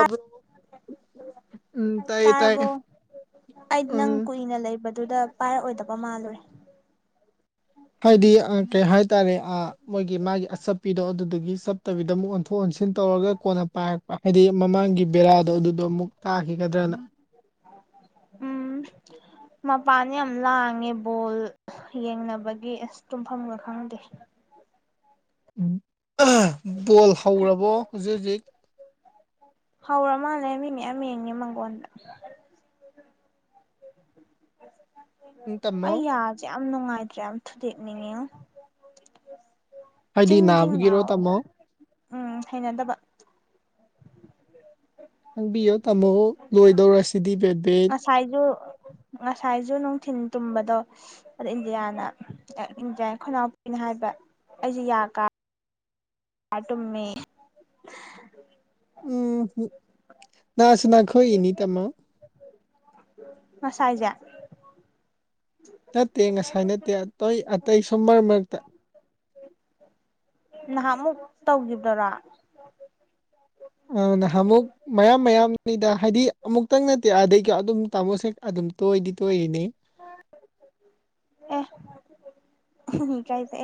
ꯑꯕ꯭ꯔꯣ [unintelligible] ꯇꯥꯔꯕꯣ ꯑꯩ ꯅꯪ ꯎꯝ ꯀꯨꯏꯅ ꯂꯩꯕꯗꯨꯗ ꯄꯥꯏꯔꯛꯑꯣꯏꯗꯕ ꯃ ꯃꯥꯥꯂꯨꯔꯦ ꯍꯥꯏꯗꯤ ꯀꯩ ꯍꯥꯏꯇꯥꯔꯦ ꯃꯣꯏꯒꯤ ꯃꯥꯒꯤ ꯑꯆꯞꯄꯤꯗꯣ ꯑꯗꯨꯗꯒꯤ ꯆꯠꯇꯕꯤꯗ ꯑꯃꯨꯛ ꯑꯣꯟꯊꯣꯛ ꯐꯣꯟꯁꯤꯟ ꯇꯧꯔꯒ ꯀꯣꯟꯅ ꯄꯥꯏꯔꯛꯄ ꯍꯥꯏꯗꯤ ꯃꯃꯥꯡꯒꯤ ꯕꯦꯔꯥꯗꯣ ꯑꯗꯨꯗꯣ ꯑꯃꯨꯛ ꯀꯥꯈꯤꯒꯗ꯭ꯔꯅ ꯃꯄꯥꯟꯅ ꯌꯥꯝ ꯂꯥꯡꯉꯦ ꯕꯣꯜ ꯌꯦꯡꯅꯕꯒꯤ ꯑꯁ ꯇꯨꯝꯐꯝꯒ ꯈꯪꯗꯦ ꯕꯣꯜ ꯍꯧꯔꯕꯣ ꯍꯧꯖꯤꯛ ꯍꯧꯖꯤꯛ ꯍꯧꯔ ꯃꯥꯜꯂꯦ ꯃꯤ ꯃꯌꯥꯝ ꯌꯦꯡꯉꯦ ꯃꯪꯒꯣꯟꯗ ꯎꯝ ꯇꯝꯃꯣ ꯑꯩ ꯌꯥꯖꯦ ꯌꯥꯝ ꯅꯨꯡꯉꯥꯏꯇ꯭ꯔꯦ ꯌꯥꯝ ꯊꯨꯗꯦꯛꯅꯤꯡꯉꯤ ꯍꯥꯏꯗꯤ ꯅꯥꯕꯒꯤꯔꯣ ꯇꯥꯃꯣ ꯎꯝ ꯍꯩꯅꯗꯕ ꯍꯪꯕꯤꯌꯣ ꯇꯥꯃꯣ ꯂꯣꯏꯗꯧꯔꯁꯤꯗꯤ ꯕꯦꯠ ꯕꯦꯠ ꯉꯁꯥꯏꯁꯨ ꯉꯁꯥꯏꯁꯨ ꯅꯨꯡꯊꯤꯟ ꯇꯨꯝꯕꯗꯣ ꯑꯗꯨ ꯏꯟꯗꯤꯌꯥꯅ ꯏꯟꯗꯤꯌꯥ ꯈꯨꯣꯏꯅꯥꯎ ꯍꯥꯏꯕ ꯑꯩꯁꯦ ꯌꯥ ꯀꯥ ꯇꯨꯝꯃꯦ ꯎꯝ ꯅꯥꯆꯅꯥꯈꯣꯏꯅꯤ ꯇꯃ ꯉꯁꯥꯏꯖꯦ ꯅꯠꯇꯦ ꯉꯁꯥꯏ ꯅꯠꯇꯦ ꯑꯇꯩ ꯑꯇꯩ ꯁꯨꯝ ꯃꯔꯛ ꯃꯔꯛꯇ ꯅꯍꯥꯛꯃꯨꯛ ꯇꯧꯈꯤꯕꯔꯥ ꯑ ꯅꯍꯥꯟ ꯑꯃꯨꯛ ꯃꯌꯥꯝ ꯃꯌꯥꯝꯅꯤꯗ ꯍꯥꯏꯗꯤ ꯑꯃꯨꯛꯇꯪ ꯑꯗꯩꯀ ꯑꯗꯨꯝ ꯇꯥꯃꯣ ꯍꯦꯛ ꯑꯗꯨꯝ ꯇꯣꯏꯗꯤ ꯇꯣꯏꯔꯤꯅꯦ ꯑ [inaudible] ꯎꯝ ꯀꯥꯏ ꯇꯦ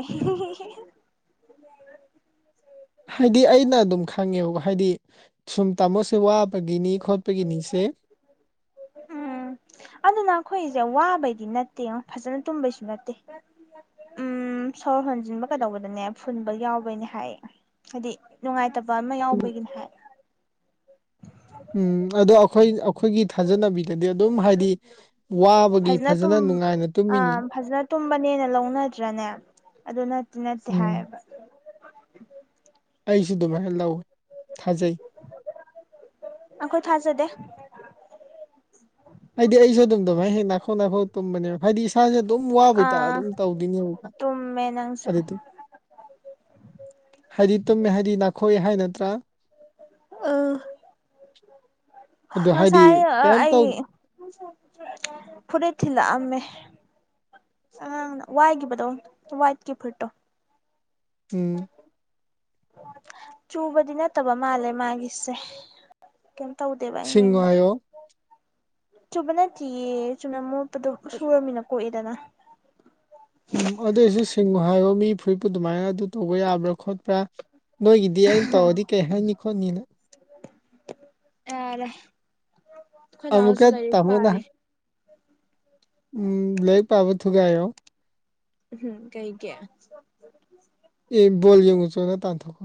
ꯍꯥꯏꯗꯤ ꯑꯩꯅ ꯑꯗꯨꯝ ꯈꯪꯉꯦꯕ ꯍꯥꯏꯗꯤ ꯁꯨꯝ ꯇꯥꯃꯣꯁꯦ ꯋꯥꯕꯒꯤꯅꯤ ꯈꯣꯠꯄꯒꯤꯅꯤꯁꯦ ꯎꯝ ꯑꯗꯨꯅ ꯑꯩꯈꯣꯏꯁꯦ ꯋꯥꯕꯩꯗꯤ ꯅꯠꯇꯦ ꯐꯖꯅ ꯇꯨꯝꯕꯩꯁꯨ ꯅꯠꯇꯦ ꯎꯝ ꯁꯣꯔ ꯍꯣꯟꯖꯤꯟꯕ ꯀꯩꯗꯧꯕꯗꯅꯦ ꯐꯨꯟꯕ ꯌꯥꯎꯕꯩꯅꯦ ꯍꯥꯏ ꯍꯥꯏꯗꯤ ꯅꯨꯡꯉꯥꯏ ꯐꯠꯇꯕ ꯑꯃ ꯌꯥꯎꯕꯒꯤꯅꯤ ꯍꯥꯏ ꯎꯝ ꯑꯗꯣ ꯑꯩꯈꯣꯏ ꯑꯩꯈꯣꯏꯒꯤ ꯊꯥꯖꯅꯕꯤꯗꯗꯤ ꯑꯗꯨꯝ ꯍꯥꯏꯗꯤ ꯋꯥꯕꯒꯤ ꯐꯖꯅ ꯅꯨꯡꯉꯥꯏꯅ ꯑꯥ ꯇꯨꯝꯃꯤꯅꯤ ꯐꯖꯅ ꯇꯨꯝꯕꯅꯦꯅ ꯂꯧꯅꯗ꯭ꯔꯅꯦ ꯑꯗꯨ ꯅꯠꯇꯦ ꯅꯠꯇꯦ ꯎꯝ ꯍꯥꯏꯌꯦꯕ ꯑꯩꯁꯨ ꯑꯗꯨꯃꯥꯏꯅ ꯂꯧꯋꯏ ꯑꯈꯣꯏ ꯊꯖꯗ ꯍꯥꯏꯗꯤ ꯑꯩꯁꯨ ꯑꯗꯨꯝ ꯑꯗꯨꯃꯥꯏꯅ ꯍꯦꯛ ꯅꯥꯈꯣꯛ ꯅꯥꯈꯣꯛ ꯇꯨꯝꯕꯅꯦꯕ ꯍꯥꯏꯗꯤ ꯏꯁꯥꯁꯦ ꯑꯗꯨꯝ ꯋꯥꯕꯩꯇ ꯑꯗꯨꯝ ꯇꯧꯗꯣꯏꯅꯦꯕ ꯇꯃꯦ ꯅꯪꯁꯨ ꯑꯗꯨ ꯍꯥꯏꯗꯤ ꯇꯨꯝꯃꯦ ꯍꯥꯏꯗꯤ ꯅꯥꯈꯣꯏꯑ ꯍꯥꯏ ꯅꯠꯇ꯭ꯔꯥ ꯑꯗꯣ ꯑ ꯍꯥꯏꯗꯤ ꯁꯥꯏ ꯀꯩꯝ ꯑꯩ ꯇꯧ ꯐꯔꯂ ꯑꯃꯃꯦ ꯑꯪ ꯋꯥꯏꯒꯤꯕꯗꯣ ꯋꯥꯏꯠꯀꯤ ꯐꯠꯇꯣ ꯎꯝ ꯆꯨꯕꯗꯤ ꯅꯠꯇꯕ ꯃꯥꯜꯂꯦ ꯃꯥꯒꯤꯁꯦ ꯀꯩꯝ ꯇꯧꯗꯦꯕ ꯑꯩꯅ ꯁꯤꯡꯉꯨ ꯌꯦꯡꯕꯗ ꯍꯥꯏꯌꯣ ꯆꯕ ꯅꯠꯇꯤꯌꯦ ꯆꯨꯝꯅ ꯃꯣꯠꯄꯗꯣ ꯁꯨꯔꯃꯤꯅ ꯀꯣꯛꯏꯗꯅ ꯎꯝ ꯑꯗꯨꯑꯣꯏꯁꯨ ꯁꯤꯡꯉꯨ ꯍꯥꯏꯌꯣ ꯃꯤ ꯐꯨꯔꯤꯠꯄꯨ ꯑꯗꯨꯃꯥꯏꯅ ꯑꯗꯨ ꯇꯧꯕ ꯌꯥꯕ꯭ꯔꯥ ꯈꯣꯠꯄ꯭ꯔꯥ ꯅꯣꯏꯒꯤꯗꯤ ꯑꯩꯅ ꯇꯧꯔꯗꯤ ꯀꯩ ꯍꯥꯏꯅꯤ ꯈꯣꯠꯅꯤꯅ ꯑꯗ ꯑꯃꯨꯀ ꯇꯥꯃꯣꯅ ꯎ ꯂꯩ ꯂꯩ ꯄꯥꯕ ꯊꯒꯥꯏꯣ ꯎꯝ ꯀꯩ ꯀꯦ ꯑꯦ ꯣꯜ ꯌꯡꯉ ꯆꯣꯅ ꯇꯥꯟꯊꯣꯛꯀ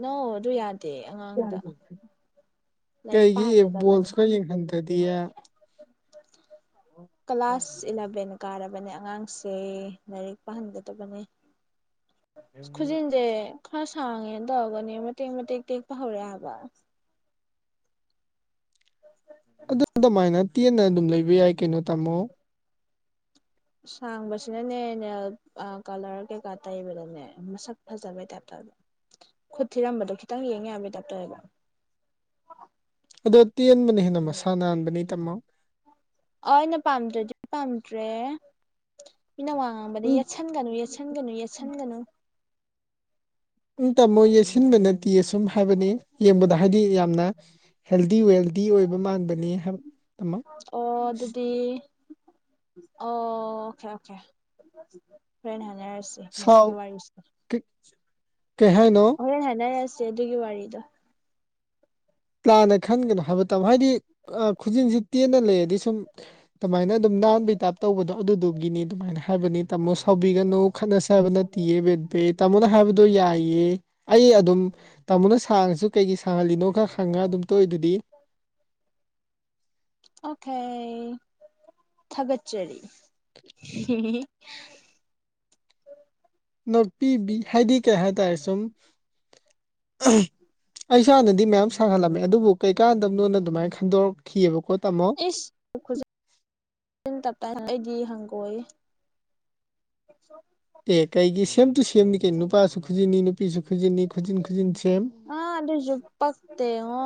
ꯅꯪ ꯑꯗꯨ ꯌꯥꯗꯦ ꯑꯉꯥꯡꯗ ꯂꯥꯏꯔꯤꯛ ꯀꯩꯒꯤ ꯄꯥꯍꯟꯒꯗꯕꯅꯤ ꯣꯜꯁ ꯀ ꯈꯟꯗꯗꯤ ꯀ꯭ꯂꯥꯁꯥꯁ ꯏꯂꯚꯦꯟ ꯀꯥꯔꯕꯅꯦ ꯑꯉꯥꯡꯁꯦ ꯂꯥꯏꯔꯤꯛ ꯄꯥꯍꯟꯒꯗꯕꯅꯦ ꯈꯨꯖꯤꯟꯁꯦ ꯈꯔ ꯁꯥꯡꯉꯦꯅ ꯇꯧꯔꯒꯅꯦ ꯃꯇꯦꯛ ꯃꯇꯦꯛ ꯇꯦꯛꯄ ꯍꯧꯔꯛꯑꯦꯕ ꯑꯗꯨ ꯑꯗꯨꯃꯥꯏꯅ ꯇꯦꯟꯅ ꯑꯗꯨꯝ ꯂꯩꯕ ꯌꯥꯏ ꯀꯩꯅꯣ ꯇꯥꯃꯣ ꯁꯥꯡꯕꯁꯤꯅꯅꯦꯅꯦ ꯀꯂꯔ ꯀꯩꯀꯥ ꯇꯩꯕꯗꯅꯦ ꯃꯁꯛ ꯐꯖꯕꯩ ꯇꯥꯏꯞꯇ ꯈꯨꯠ ꯊꯤꯔꯝꯕꯗꯣ ꯈꯤꯇꯪ ꯌꯦꯡꯉꯦ ꯌꯥꯕ ꯗꯥꯛꯇꯔꯒ ꯑꯗꯣ ꯇꯦꯟꯕꯅ ꯍꯦꯟꯅ ꯃꯁꯥ ꯅꯥꯟꯕꯅꯤ ꯇꯥꯝꯃꯣ ꯑꯩꯅ ꯄꯥꯝꯗ꯭ꯔꯗꯤ ꯄꯥꯝꯗ꯭ꯔꯦ ꯃꯤꯅ ꯋꯥꯡ ꯉꯥꯡꯝꯕꯗ ꯎꯝ ꯌꯦꯠꯁꯟꯒꯅꯨ ꯌꯦꯠꯁꯟꯒꯅꯨ ꯌꯦꯠꯁꯟꯒꯅꯨ ꯎꯝ ꯇꯥꯃꯣ ꯌꯦꯁꯤꯟꯕ ꯅꯠꯇꯦꯌꯦꯁꯨꯝ ꯍꯥꯏꯕꯅꯤ ꯌꯦꯡꯕꯗ ꯍꯥꯏꯗꯤ ꯌꯥꯝ ꯌꯥꯝꯅ ꯍꯦꯜꯗꯤ ꯋꯦꯜꯗꯤ ꯑꯣꯏꯕ ꯃꯥꯟꯕꯅꯤ ꯇꯥꯃꯣ ꯑꯣ ꯑꯗꯨꯗꯤ ꯑꯣ ꯑꯣꯦ ꯑꯣꯀꯦ ꯐ ꯍꯥꯏꯔꯁꯤ ꯃꯁꯤꯒꯤ ꯁꯥꯎ ꯋꯥꯔꯤꯁꯤꯦ ꯀꯩ ꯍꯥꯏꯅꯣ ꯍꯣꯔꯦꯟ ꯍꯥꯏꯅꯔꯁꯤ ꯁꯦ ꯑꯗꯨꯒꯤ ꯋꯥꯔꯤꯗꯣ ꯂꯥꯟꯅ ꯈꯟꯒꯅꯨ ꯍꯥꯏꯕ ꯇꯥꯃꯣ ꯍꯥꯏꯗꯤ ꯈꯨꯖꯤꯟꯁꯤ ꯇꯦꯟꯅ ꯂꯩꯔꯗꯤ ꯁꯨꯝ ꯑꯗꯨꯃꯥꯏꯅ ꯑꯗꯨꯝ ꯅꯥꯍꯟꯕ ꯇꯥꯏꯞ ꯇꯧꯕꯗꯣ ꯑꯗꯨꯗꯨꯒꯤꯅꯤ ꯑꯗꯨꯃꯥꯏꯅ ꯍꯥꯏꯕꯅꯤ ꯇꯥꯃꯣ ꯁꯥꯎꯕꯤꯒꯅꯨ ꯈꯠꯅꯁꯦ ꯍꯥꯏꯕ ꯅꯠꯇꯦ ꯌꯦꯦꯕꯠꯕ ꯇꯃꯣꯅ ꯍꯥꯏꯕꯗꯣ ꯌꯥꯏꯌꯦ ꯑꯩ ꯑꯗꯨꯝ ꯇꯥꯃꯣꯅ ꯁꯥꯡꯉꯁꯨ ꯀꯩꯒꯤ ꯁꯥꯡꯍꯜꯂꯤꯅꯣ ꯈꯔ ꯆ ꯑꯗꯨꯝ ꯇ ꯑꯗꯨꯗꯤ ꯊꯒꯠꯆꯔꯤ ꯅꯣꯛꯄꯤꯕꯤ ꯍꯥꯏꯗꯤ ꯀꯩ ꯍꯥꯏꯇꯥꯔꯦ ꯁꯨꯝ ꯑꯩ ꯏꯁꯥꯅꯗꯤ ꯃꯌꯥꯝ ꯁꯥꯍꯜꯂꯝꯃꯦ ꯑꯗꯨꯕꯨ ꯀꯩꯀꯥꯟꯗ ꯅꯣꯟꯅ ꯑꯗꯨꯃꯥꯏꯅ ꯈꯟꯗꯣꯔꯛꯈꯤꯑꯕꯀꯣ ꯇꯥꯃꯣ ꯑꯦꯖ ꯤꯟ ꯇꯞ ꯑꯩꯗꯤ ꯍꯪꯒꯣꯏ ꯑꯦ ꯀꯩꯒꯤ ꯁꯦꯝ ꯇꯨ ꯁꯦꯝꯅꯤ ꯀꯩꯅꯣ ꯅꯨꯄꯥꯁꯨ ꯈꯨꯖꯤꯟꯅꯤ ꯅꯨꯄꯤꯁꯨ ꯈꯨꯖꯤꯟꯅꯤ ꯈꯨꯖꯤꯟ ꯈꯨꯖꯤꯟ ꯁꯦꯝ ꯑꯥ ꯑꯗꯨꯁꯨ ꯄꯛꯇꯦꯉꯣ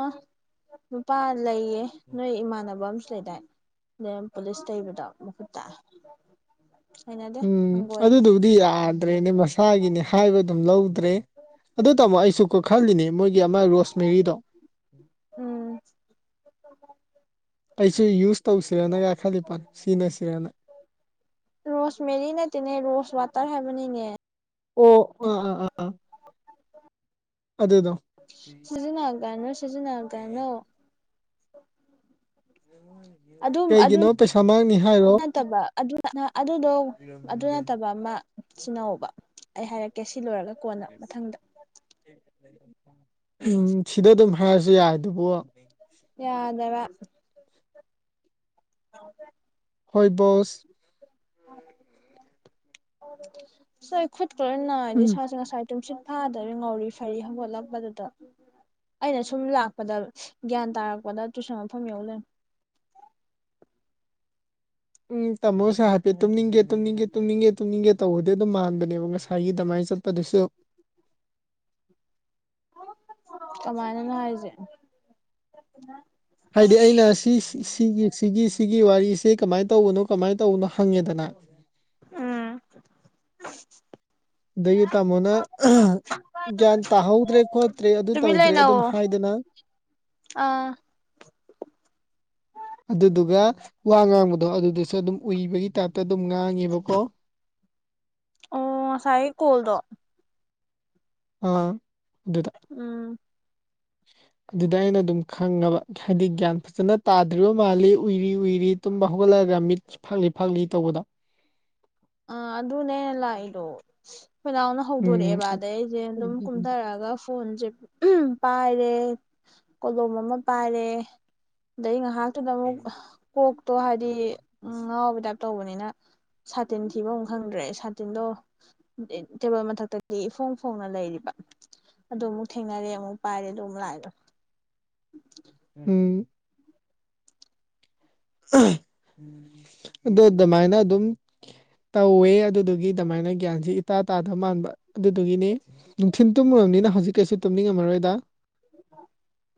ꯅꯨꯄꯥ ꯂꯩꯌꯦ ꯅꯣꯏ ꯏꯃꯥꯟꯅꯕ ꯑꯃꯁꯨ ꯂꯩꯗꯥꯏ ꯅꯦꯝ ꯄꯨꯂꯤꯁ ꯇꯩꯕꯗꯣ ꯃꯈꯨꯠꯇ ꯍꯩꯅꯗꯦ ꯎꯝ ꯍꯪꯒꯣꯏꯌꯦ ꯑꯗꯨꯗꯨꯕꯨꯗꯤ ꯌꯥꯗ꯭ꯔꯦꯅꯦ ꯃꯁꯥꯒꯤꯅꯦ ꯍꯥꯏꯕ ꯑꯗꯨꯝ ꯂꯧꯗ꯭ꯔꯦ ꯑꯗꯨ ꯇꯥꯃꯣ ꯑꯩꯁꯨꯀꯣ ꯈꯜꯂꯤꯅꯤ ꯃꯣꯏꯒꯤ ꯑꯃ ꯔꯣꯁ ꯃꯦꯔꯤꯗꯣ ꯎꯝ ꯑꯩꯁꯨ ꯌꯨꯁ ꯇꯧꯁꯤꯔꯅ ꯌꯥ ꯈꯜꯂꯛꯄꯥ ꯁꯤꯖꯤꯟꯅꯁꯤꯔꯅ ꯇꯥꯏ ꯍꯥꯏꯕꯅꯤꯅꯦ ꯑꯣ ꯑꯥ ꯑꯥ ꯑꯥꯥ ꯁꯤꯖꯤꯟꯅꯒꯅꯣ ꯁꯤꯖꯤꯟꯅꯒꯅꯣ ꯀꯩꯒꯤꯅꯣ ꯄꯩꯁꯥ ꯃꯥꯡꯅꯤ ꯍꯥꯏꯔꯣ ꯅꯠꯇꯕ ꯑꯗꯨꯅ ꯑꯗꯨꯗꯣ ꯑꯗꯨ ꯅꯠꯇꯕ ꯑꯃ ꯁꯤꯟꯅꯧꯕꯥ ꯑꯩ ꯍꯥꯏꯔꯛꯀꯦ ꯁꯤ ꯂꯣꯏꯔꯒ ꯀꯣꯟꯅ ꯃꯊꯪꯗ ꯎꯝ ꯁꯤꯗ ꯑꯗꯨꯝ ꯍꯥꯏꯔꯁꯨ ꯌꯥꯔꯗꯨꯕꯨ ꯌꯥꯗꯕ ꯍ [inaudible] ꯍꯣꯏ ꯕꯣꯁ ꯉꯥꯏ [unintelligible] ꯈꯨꯠ ꯂꯣꯏꯅ ꯅꯥꯏꯗꯤ ꯎꯝ ꯏꯁꯥꯁꯦ ꯉꯁꯥꯏ ꯇꯨꯝꯁꯤꯠ ꯐꯥꯗꯕꯩ ꯉꯥꯎꯔꯤ ꯐꯩꯔꯤ ꯍꯧꯒꯠꯂꯛꯄꯗꯨꯗ ꯑꯩꯅ ꯁꯨꯝ ꯂꯥꯛꯄꯗ ꯒ꯭ꯌꯥꯟ ꯇꯥꯔꯛꯄꯗ ꯇꯨꯏꯁꯟ ꯃꯐꯝ ꯌꯧ ꯂꯩꯔꯝꯃꯤ ꯎꯝ ꯇꯥꯃꯣ ꯁꯣꯔꯥꯠꯇꯤ ꯇꯨꯝꯅꯤꯡꯒꯦ ꯇꯨꯝꯅꯤꯡꯒꯦ ꯇꯨꯝꯅꯤꯡꯒꯦ ꯇꯨꯝꯅꯤꯡꯒꯦ ꯇꯧꯕꯗꯤ ꯑꯗꯨꯝ ꯃꯥꯟꯕꯅꯦꯕ ꯉꯁꯥꯏꯒꯤ ꯑꯗꯨꯃꯥꯏꯅ ꯆꯠꯄꯗꯨꯁꯨ [inaudible] ꯀꯃꯥꯏꯅꯅꯣ ꯍꯥꯏꯖꯦ ꯍꯥꯏꯗꯤ ꯑꯩꯅ ꯁꯤ ꯁꯤꯒꯤ ꯁꯤꯒꯤ ꯁꯤꯒꯤ ꯋꯥꯔꯤꯁ ꯁꯤ ꯀꯃꯥꯏ ꯇꯧꯕꯅꯣ ꯀꯃꯥꯏ ꯇꯧꯕꯅꯣ ꯍꯪꯉꯦꯗꯅꯥ ꯎꯝ ꯑꯗꯒꯤ ꯇꯃꯣꯅꯥ ꯒ꯭ꯌꯥꯟ ꯇꯥꯍꯧꯗ꯭ꯔꯦ ꯈꯣꯠꯇ꯭ꯔꯦ ꯑꯗꯨ ꯇꯨꯃꯤꯟ ꯇꯧꯗ꯭ꯔꯦ ꯑꯗꯨꯝ ꯂꯩꯅꯧꯑꯣ ꯍꯥꯏꯗꯅ ꯑꯥ ꯑꯗꯨꯗꯨꯒ ꯋꯥ ꯉꯥꯡꯕꯗꯣ ꯑꯗꯨꯗꯨꯁꯨ ꯑꯗꯨꯝ ꯎꯏꯕꯒꯤ ꯇꯥꯏꯞ ꯉꯥꯡꯉꯦꯕꯀꯣ ꯑꯣ ꯉꯁꯥꯏ ꯀꯣꯜꯗꯣ ꯑ ꯎꯝ [inaudible] ꯑꯗꯨꯗ ꯑꯩꯅ ꯑꯗꯨꯝ ꯈꯪꯉꯕ ꯍꯥꯏꯗꯤ ꯒ꯭ꯌꯥꯟ ꯐꯖꯅ ꯇꯥꯗ꯭ꯔꯤꯕ ꯃꯥꯜꯂꯤ ꯎꯏꯔꯤ ꯎꯏꯔꯤ ꯇꯨꯝꯕ ꯍꯧꯒꯠꯂ ꯔꯃꯤꯠ ꯐꯥꯛꯂꯤ ꯐꯥꯛꯂꯤ ꯇꯧꯕꯗꯣ ꯑ ꯑꯗꯨꯅꯦ ꯂꯥꯛꯏꯗꯣ ꯈꯣꯏꯅꯥꯎꯅ ꯎꯝ ꯍꯧꯗꯣꯔꯛꯑꯦꯕ ꯑꯗꯩ ꯑꯩꯁꯦ ꯑꯗꯨꯝ ꯀꯨꯝꯊꯔꯛꯑꯒ ꯐꯣꯟꯁꯦ ꯎꯝ ꯄꯥꯏꯔꯦ ꯀꯣꯂꯣꯝ ꯑꯃ ꯄꯥꯏꯔꯦ ꯑꯗꯩ ꯉꯥꯏꯍꯥꯛ ꯑꯗꯨꯨꯗ ꯑꯃꯨꯛ ꯀꯣꯛꯇꯣ ꯍꯥꯏꯗꯤ ꯎꯝ ꯉꯥꯎꯕꯩ ꯇꯥꯏꯞ ꯇꯧꯕꯅꯤꯅ ꯁꯥꯇꯤꯟ ꯊꯤꯕ ꯑꯃꯨꯛ ꯈꯪꯗ꯭ꯔꯦ ꯁꯥꯇꯤꯟꯗꯣ ꯇꯦꯕꯜ ꯃꯊꯛꯇꯗꯤ ꯏꯐꯣꯡ ꯐꯣꯡꯅ ꯂꯩꯔꯤꯕ ꯑꯗꯨ ꯑꯃꯨꯛ ꯊꯦꯡꯅꯔꯦ ꯑꯃꯨꯛ ꯄꯥꯏꯔꯦ ꯑꯗꯨ ꯑꯃꯨꯛ ꯂꯥꯛꯏꯗꯣ ꯎꯝ ꯑꯗꯨ ꯑꯗꯨꯃꯥꯏꯅ ꯑꯗꯨꯝ ꯇꯧꯋꯦ ꯑꯗꯨꯗꯣ ꯒꯤ ꯑꯗꯨꯃꯥꯏꯅ ꯒ꯭ꯌꯥꯟꯁꯤ ꯏꯇꯥ ꯇꯥꯗꯕ ꯃꯥꯟꯕ ꯑꯗꯨꯗꯨꯒꯤꯅꯤ ꯅꯨꯡꯊꯤꯜ ꯇꯨꯝꯃꯨꯔꯕꯅꯤꯅ ꯍꯧꯖꯤꯛ ꯀꯩꯁꯨ ꯇꯨꯝꯅꯤꯡꯉꯝ ꯃꯔꯣꯏꯗꯥ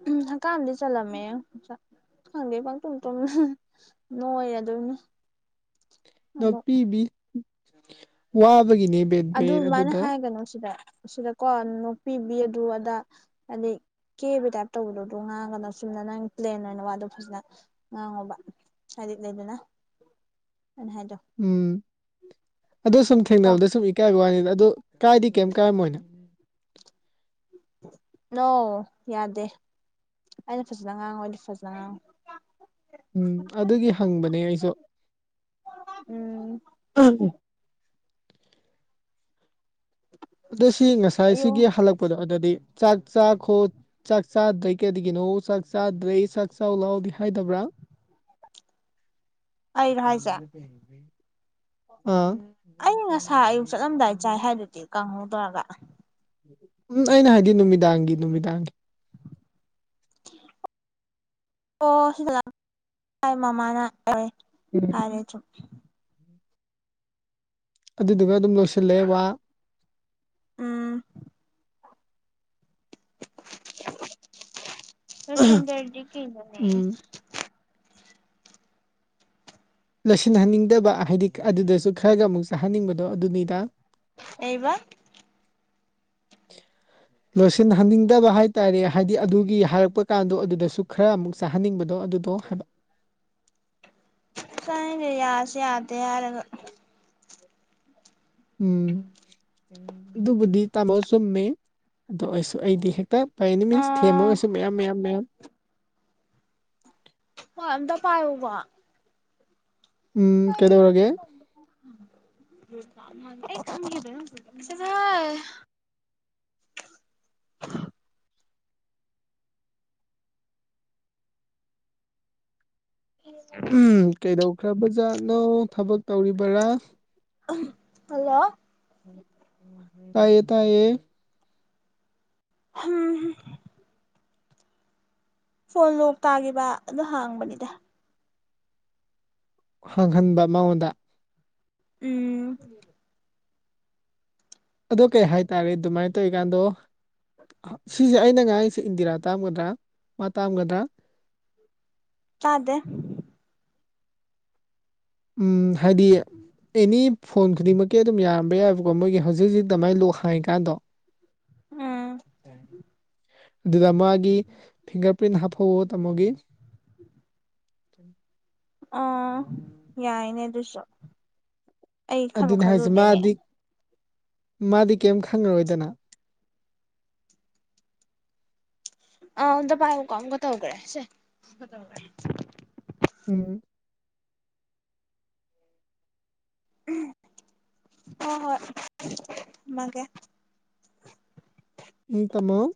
ꯎꯝ ꯍꯥꯀꯥꯥꯝꯗꯤ ꯆꯜꯂꯝꯃꯦ ꯈꯪꯗꯦ ꯄꯪꯇꯨꯝ ꯇꯨꯝ ꯅꯣꯏꯔꯗꯣꯏꯅꯤ ꯅꯄꯤꯤꯕꯤ ꯋꯥ ꯑꯗꯨꯃꯥꯏꯅ ꯍꯥꯏꯒꯅꯨ ꯁꯤꯗ ꯁꯤꯗ ꯀꯣ ꯣꯛꯄꯤꯕꯤ ꯑꯗꯨ ꯑꯗꯥ ꯑ ꯀꯦꯕ ꯇꯥꯏꯞ ꯇꯧꯕꯗꯣꯗꯣ ꯉꯥꯡꯉꯒꯅ ꯁꯨꯝꯅ ꯅꯪ ꯄ꯭ꯂꯦꯟ ꯑꯣꯏꯅ ꯋꯥꯗꯣ ꯐꯖꯅ ꯉꯥꯡꯉꯣꯕ ꯍꯥꯏꯗꯤ ꯏ ꯂꯩ ꯏꯗꯅꯥ ꯎꯝ ꯑꯣ ꯁꯨꯝ ꯀꯣ ꯊꯦꯡꯅꯕꯗ ꯁꯨꯝ ꯏꯀꯥꯏꯕ ꯋꯥꯅꯤꯗ ꯑꯗ ꯀꯥꯏꯗꯤ ꯀꯩꯝ ꯀꯥꯏꯔꯝꯃꯣꯏꯅ ꯑ ꯌꯥꯗꯦ ꯑꯩꯅ ꯐꯖꯅ ꯉꯥꯡꯉꯨ ꯑꯩꯗꯤ ꯐꯖꯅ ꯉꯥꯡꯉꯨ ꯎꯝ ꯑꯗꯨꯒꯤ ꯍꯪꯕꯅꯦ ꯑꯩꯁꯨ ꯎꯝ ꯎꯝ ꯎꯝ ꯑꯗꯨ ꯁꯤ ꯑꯌꯣ ꯉꯁꯥꯏꯁꯤꯒꯤ ꯍꯜꯂꯛꯄꯗꯣ ꯑꯗꯨꯗꯤ ꯆꯥꯛ ꯆꯥꯈꯣ ꯆꯥꯛ ꯆꯥꯗ꯭ꯔꯦ ꯀꯩꯔꯤꯒꯤꯅꯣ ꯆꯥꯛ ꯆꯥꯗ꯭ꯔꯦ ꯆꯥꯛ ꯆ ꯂꯥꯎꯗꯦ ꯍꯥꯏꯗꯕ꯭ꯔꯥ ꯑꯩꯔꯣ ꯍꯥꯏꯁꯦ ꯑꯥ ꯑꯩ ꯉꯁꯥ ꯑꯌꯨꯛ ꯆꯠꯂꯝꯗꯥꯏ ꯆꯥꯏ ꯎꯝ ꯍꯥꯏꯗꯨꯗꯤ ꯀꯥꯡꯪꯍꯧꯗ꯭ꯔꯒ ꯎꯝ ꯑꯩꯅ ꯍꯥꯏꯗꯤ ꯅꯨꯃꯤꯗꯥꯡꯒꯤ ꯅꯨꯃꯤꯗꯥꯡꯒꯤ ꯑꯣ ꯁꯤꯗ ꯂ ꯃꯃꯥꯅ ꯌꯥꯔꯦ ꯎꯝ ꯐꯔꯦ ꯊꯨꯝ ꯑꯗꯨꯗꯨꯒ ꯑꯗꯨꯝ ꯂꯣꯏꯁꯤꯜꯂꯦ ꯋꯥ ꯎꯝ ꯔꯁꯟ ꯔꯔꯗꯤ ꯀꯩꯅꯅꯦ ꯎꯝ ꯂꯣꯏꯁꯤꯟꯍꯟꯅꯤꯡꯗꯕ ꯍꯥꯏꯗꯤ ꯑꯗꯨꯗꯁꯨ ꯈꯔꯒ ꯑꯃꯨꯛ ꯆꯥꯍꯟꯅꯤꯡꯕꯗꯣ ꯑꯗꯨꯅꯤꯗ ꯑꯩꯕ [unintelligible] ꯂꯣꯏꯁꯤꯟꯍꯟꯅꯤꯡꯗꯕ ꯍꯥꯏꯇꯥꯔꯦ ꯍꯥꯏꯗꯤ ꯑꯗꯨꯒꯤ ꯍꯥꯏꯔꯛꯄ ꯀꯥꯟꯗꯣ ꯑꯗꯨꯗꯁꯨ ꯈꯔ ꯑꯃꯨꯛ ꯆꯥꯍꯟꯅꯤꯡꯕꯗꯣ ꯑꯗꯨ ꯇꯣ ꯍꯗꯥ ꯇ ꯀ ꯌꯥꯁ ꯌꯥꯗ ꯌꯥꯔ ꯎꯝ ꯑꯗꯨꯕꯨꯗꯤ ꯇꯥꯃꯣ ꯆꯨꯝꯃꯦ ꯑꯗꯣ ꯑꯩꯁꯨ ꯑꯩꯗꯤ ꯍꯦꯛꯇ ꯐꯩꯅꯤ ꯃꯤꯟꯁ ꯑꯥ ꯊꯦꯝꯃꯒꯁꯨ ꯃꯌꯥꯝ ꯃꯌꯥꯝ ꯃꯌꯥꯝ ꯆꯗ ꯄꯥꯏꯨ ꯋꯥ ꯎꯝ ꯀꯗꯧꯔꯒꯦ [unintelligible] ꯑ ꯀꯩꯗꯧꯈ꯭ꯔꯕ ꯖꯥꯠꯅꯣ ꯊꯕꯛ ꯇꯧꯔꯤꯕꯔꯥ ꯍꯜꯂꯣ ꯇꯥꯏꯌꯦ ꯇꯥꯏꯌꯦ ꯍꯝ ꯐꯣꯟ ꯂꯣꯛ ꯇꯥꯈꯤꯕ ꯑꯗꯨ ꯍꯥꯡꯕꯅꯤꯗ ꯍꯥꯡꯍꯟꯕ ꯃꯉꯣꯟꯗ ꯎꯝ ꯔ ꯑꯗꯣ ꯀꯩ ꯍꯥꯏꯇꯥꯔꯦ ꯑꯗꯨꯃꯥꯏꯅ ꯇꯧꯋꯔꯤꯀꯥꯟꯗꯣ ꯁꯤꯁꯦ ꯑꯩꯅ ꯑꯩꯁꯦ ꯏꯟꯗꯤꯔꯥ ꯇꯥꯝꯒꯗ꯭ꯔꯥ ꯃꯥ ꯇꯥꯝꯒꯗ꯭ꯔꯥ ꯑꯗꯦ ꯎꯝ ꯍꯥꯏꯗꯤ ꯑꯦꯅꯤ ꯐꯣꯟ ꯈꯨꯗꯤꯡꯃꯛꯀꯤ ꯑꯗꯨꯝ ꯌꯥꯔꯝꯕ ꯌꯥꯏꯕꯀꯣ ꯃꯣꯏꯒꯤ ꯍꯧꯖꯤꯛ ꯍꯧꯖꯤꯛ ꯑꯗꯨꯃꯥꯏꯅ ꯂꯣꯛ ꯍꯥꯡꯉꯀꯥꯟꯗꯣ ꯎꯝ ꯑꯗꯨꯗ ꯃꯥꯒꯤ ꯐꯤꯡꯒꯔ ꯄ ꯍꯥꯞꯣ ꯇꯃꯒꯤ ꯎ ꯑ ꯌꯥꯏꯅꯦ ꯑꯗꯨꯁꯨꯣ ꯑꯗꯨꯅꯤ ꯍꯥꯏꯁꯦ ꯃꯥꯗꯤ ꯃꯥꯗꯤ ꯀꯔꯤꯝ ꯈꯪꯉꯔꯣꯏꯗꯅ ꯑꯗ ꯄꯥꯏ ꯀꯒ ꯇꯧꯈ꯭ꯔꯦꯦ ꯎꯝ ꯎꯝ ꯍꯣꯏ ꯍꯣꯏ ꯃꯥꯒꯦ ꯇꯥꯃꯣ ꯎꯝ